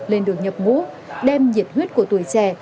lên đường nhập ngũ đem nhiệt huyết của tuổi trẻ